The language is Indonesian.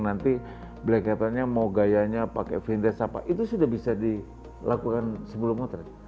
nanti black cateringnya mau gayanya pakai vintage apa itu sudah bisa dilakukan sebelum motret